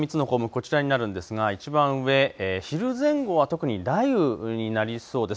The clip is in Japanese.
こちらになるんですがいちばん上、昼前後は特に雷雨になりそうです。